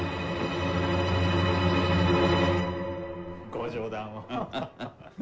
ご冗談を。